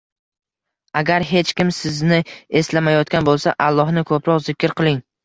Agar hech kim sizni eslamayotgan bo‘lsa, Allohni ko‘proq zikr qiling.